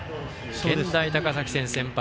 健大高崎戦、先発。